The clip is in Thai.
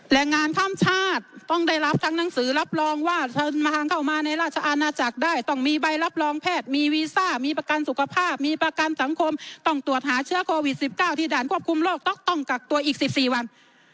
แรงงานข้ามชาติต้องได้รับทั้งหนังสือรับรองว่าทางเข้ามาในราชอาณาจักรได้ต้องมีใบรับรองแพทย์มีวีซ่ามีประกันสุขภาพมีประกันสังคมต้องตรวจหาเชื้อโควิด๑๙ที่ด่านควบคุมโรคต้องกักตัวอีก๑๔วัน